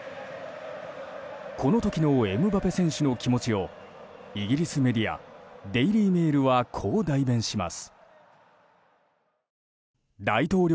この時のエムバペ選手の気持ちをイギリスメディアデイリー・メールはこう代弁します。